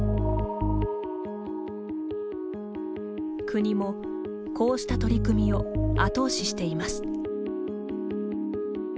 国も、こうした取り組みを後押ししています。